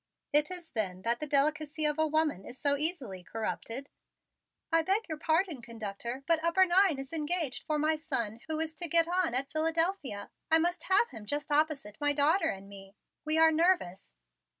It is then that the delicacy of a woman is so easily corrupted? "I beg your pardon, conductor, but upper nine is engaged for my son who is to get on at Philadelphia. I must have him just opposite my daughter and me. We are nervous."